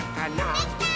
できたー！